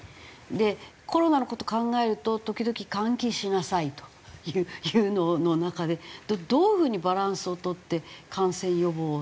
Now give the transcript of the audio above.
でコロナの事考えると時々換気しなさいというのの中でどういう風にバランスを取って感染予防するか。